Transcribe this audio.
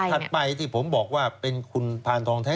ถัดไปที่ผมบอกว่าเป็นคุณพานทองแท้